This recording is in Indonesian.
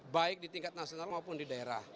baik di tingkat nasional maupun di daerah